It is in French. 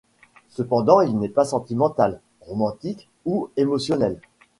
Cependant, il n'est pas sentimental, romantique ou émotionnel.